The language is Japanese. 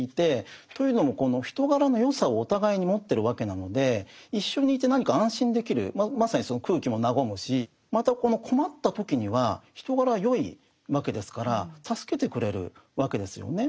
というのもこの人柄の善さをお互いに持ってるわけなので一緒にいて何か安心できるまさにその空気も和むしまたこの困った時には人柄は善いわけですから助けてくれるわけですよね。